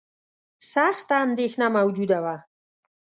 سخته اندېښنه موجوده وه.